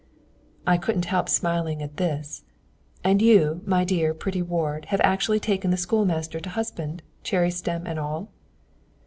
'" I couldn't help smiling at this. "And you, my dear, pretty ward, have actually taken the schoolmaster to husband, cherry stem and all?"